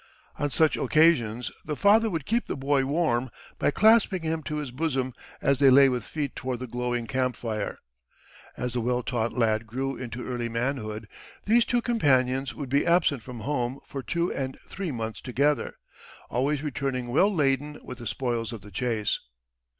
On such occasions the father would keep the boy warm by clasping him to his bosom as they lay with feet toward the glowing camp fire. As the well taught lad grew into early manhood these two companions would be absent from home for two and three months together, always returning well laden with the spoils of the chase.